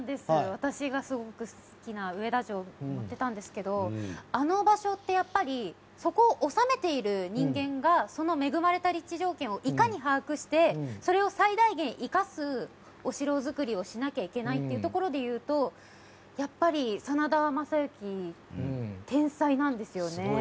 私がすごく好きな上田城も載ってたんですけどあの場所ってそこを治めている人間がその恵まれた立地条件をいかに把握してそれを最大限生かすお城づくりをしなきゃいけないっていうところでいうと真田昌幸、天才なんですよね。